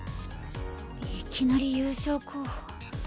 いきなり優勝候補。